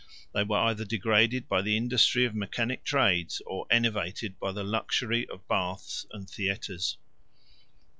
They were either degraded by the industry of mechanic trades, or enervated by the luxury of baths and theatres.